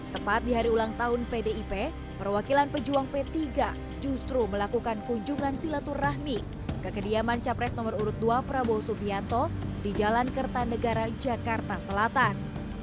tepat di hari ulang tahun pdip perwakilan pejuang p tiga justru melakukan kunjungan silaturahmi ke kediaman capres nomor urut dua prabowo subianto di jalan kertanegara jakarta selatan